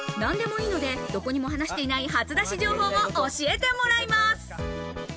何でもいいので、どこにも話していない初だし情報を教えてもらいます。